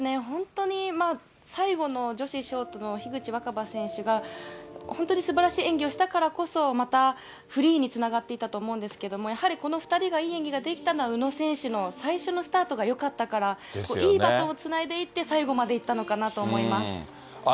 本当に最後の女子ショートの樋口新葉選手が、本当にすばらしい演技をしたからこそ、また、フリーにつながっていったと思うんですけれども、やはりこの２人がいい演技ができたのは宇野選手の最初のスタートがよかったから、いいバトンをつないでいって最後までいったのかなと思います。